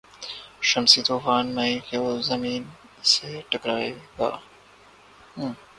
شمسی طوفان مئی کو زمین سے ٹکرائے گا